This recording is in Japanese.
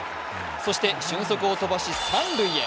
そして俊足を飛ばし三塁へ。